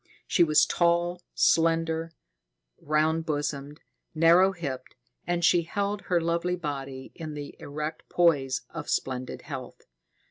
She was tall, slender, round bosomed, narrow hipped, and she held her lovely body in the erect poise of splendid health.